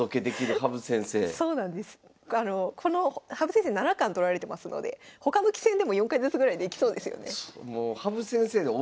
羽生先生七冠取られてますので他の棋戦でも４回ずつぐらいできそうですよね。